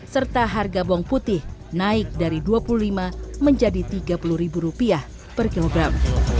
serta harga bawang putih naik dari rp dua puluh lima menjadi rp tiga puluh per kilogram